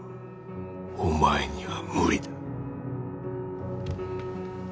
お前には無理だ。